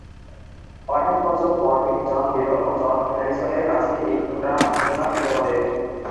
অনেক বছর পর তিনি জন লেনন ও জর্জ হ্যারিসনের কাছে এই ঘটনা খুলে বলেন।